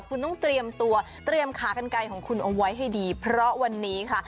คุณต้องเตรียมตัวเตรียมขากันไกลของคุณเอาไว้ให้ดีเพราะวันนี้ค่ะ